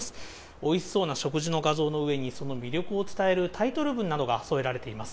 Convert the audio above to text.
おいしそうな食事の画像の上に、その魅力を伝えるタイトル文などが添えられています。